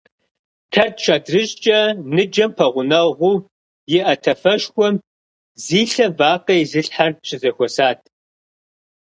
Тэрч адрыщӀкӀэ ныджэм пэгъунэгъуу иӀэ тафэшхуэм зи лъэ вакъэ изылъхьэр щызэхуэсат.